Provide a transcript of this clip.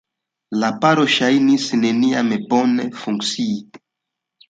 La paro ŝajnis neniam bone funkcii.